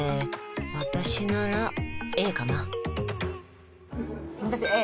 私ならＡかな私Ａ